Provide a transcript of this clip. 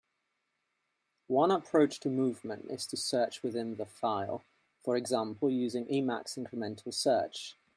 One approach to movement is to search within the file, for example using Emacs incremental search.